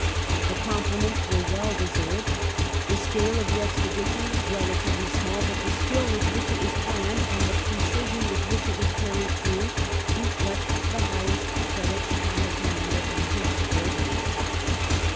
The compli ments were well deserved. The scale of the expedition was relatively small, but the skill with which it was planned, and the precision with which it was carried through, reflect the highest credit upon the Commander and his subordinates.